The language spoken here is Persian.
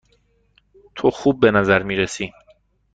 تو خوب به نظر می رسی.